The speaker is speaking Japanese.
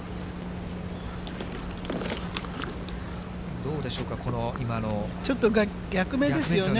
どうでしょうか、ちょっと逆目ですよね。